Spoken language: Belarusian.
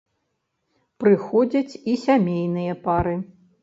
Прыходзяць і сямейныя пары.